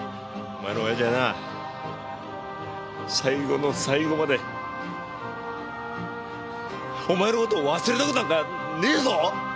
お前の親父はなあ最後の最後までお前の事を忘れた事なんかねえぞ！